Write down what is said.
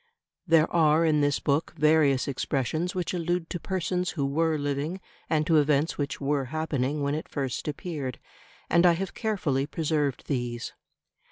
There are in this book various expressions which allude to persons who were living and to events which were happening when it first appeared; and I have carefully preserved these.